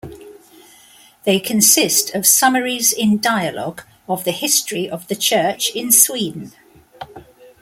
They consist of summaries in dialogue of the history of the church in Sweden.